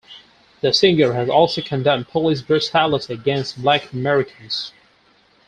The singer has also condemned police brutality against black Americans.